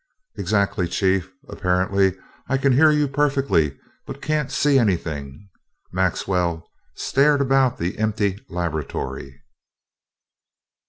"Exactly, Chief, apparently. I can hear you perfectly, but can't see anything," Maxwell stared about the empty laboratory.